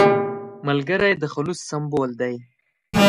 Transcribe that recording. ملګری د خلوص سمبول دی